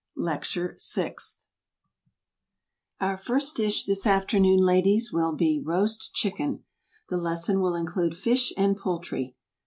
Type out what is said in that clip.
LECTURE SIXTH. Our first dish this afternoon, ladies, will be roast chicken. The lesson will include fish and poultry.